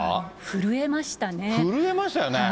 震えましたよね。